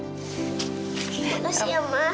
terima kasih ya ma